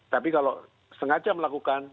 tapi kalau sengaja melakukan